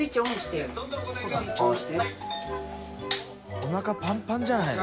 おなかパンパンじゃないの？